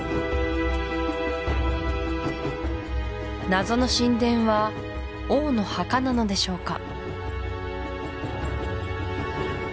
謎の神殿は王の墓なのでしょうか？